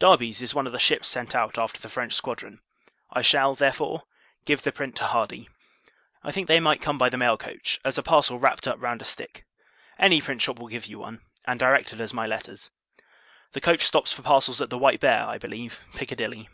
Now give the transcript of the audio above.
Darby's is one of the ships sent out after the French squadron; I shall, therefore, give the print to Hardy. I think, they might come by the mail coach, as a parcel, wrapped up round a stick; any print shop will give you one: and direct it as my letters. The coach stops, for parcels, at the White Bear, I believe, Piccadilly.